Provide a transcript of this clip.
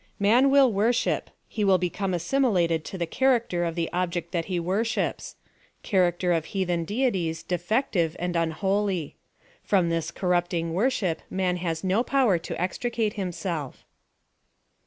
MAN WILL WORSHIP — HE WILL BECOME ASSIMI LATED TO THE CHARACTER OF THE OBJECT THAT £1E WORSHIPS CHARACTER OF HEATHEN DEITIES DEFECTIVE AND UNHOLY — FROM THId CORRUPTING WORSHIP MAN HAS NO POWER TO EXTRICATE HIMSELF.